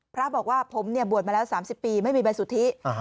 พระบอกว่าผมบวชมาแล้ว๓๐ปีไม่มีใบสุทธิ